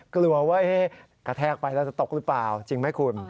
กลัวว่ากระแทกไปแล้วจะตกหรือเปล่าจริงไหมคุณ